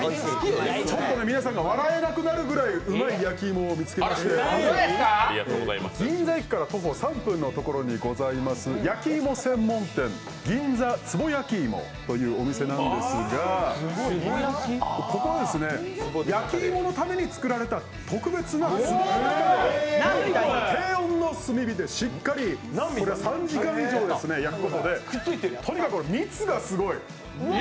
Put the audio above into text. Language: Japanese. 皆さんが笑えなくなるぐらいうまい焼き芋を見つけまして、銀座駅から徒歩３分のところにあります、やきいも専門店銀座つぼやきいもというお店なんですが、ここはやきいものために作られた特別な窯、低温の炭火でしっかり３時間以上焼くので、とにかく蜜がすごい。